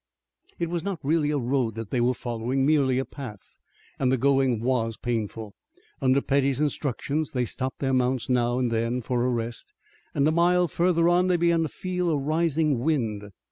It was not really a road that they were following, merely a path, and the going was painful. Under Petty's instructions they stopped their mounts now and then for a rest, and a mile further on they began to feel a rising wind.